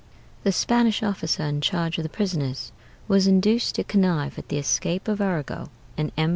The Spanish officer in charge of the prisoners was induced to connive at the escape of Arago and M.